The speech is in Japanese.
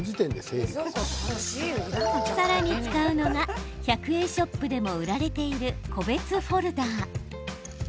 さらに使うのが１００円ショップでも売られている個別フォルダー。